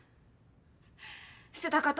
捨てたかと？